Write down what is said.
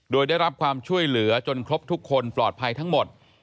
โดยได้รับความช่วยเหลือจนครบทุกคนปลอดภัยทั้งหมด